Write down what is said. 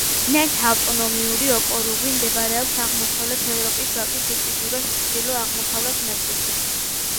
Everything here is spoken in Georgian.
ნენთა ავტონომიური ოკრუგი მდებარეობს აღმოსავლეთ ევროპის ვაკის უკიდურეს ჩრდილო-აღმოსავლეთ ნაწილში.